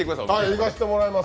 行かせてもらいます。